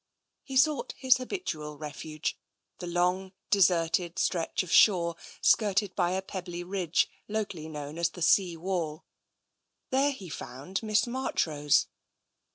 He sought his habitual refuge — the long, deserted stretch of shore skirted by a pebbly ridge, locally known as the sea wall. There he found Miss Marchrose.